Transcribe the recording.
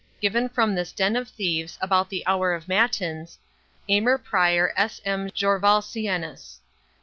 Given from this den of thieves, about the hour of matins, "Aymer Pr. S. M. Jorvolciencis.